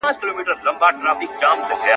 هم یې کور هم انسانانو ته تلوار وو ,